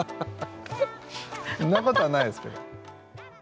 んなことはないですけど。